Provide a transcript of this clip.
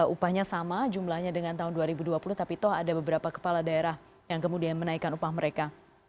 upahnya sama jumlahnya dengan tahun dua ribu dua puluh tapi toh ada beberapa kepala daerah yang kemudian menaikkan upah mereka